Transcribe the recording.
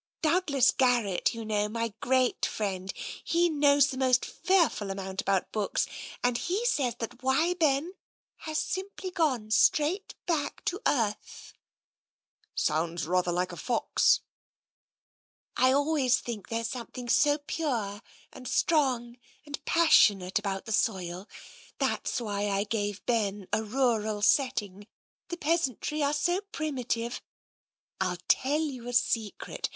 " Douglas Garrett, you know, my great friend, he knows the most fearful amount about books, and he says that ' Why, Ben !' has simply gone straight back to earth." " Sounds rather like a fox." " I always think there's something so pure and strong and passionate about the soil. That's why I gave Ben a rural setting. The peasantry are so primitive. I'll tell you a secret.